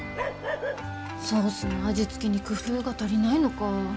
ソースの味付けに工夫が足りないのか。